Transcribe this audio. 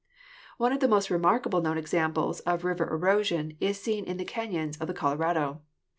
One of the most remarkable known examples of river erosion is seen in the canons of the Colorado.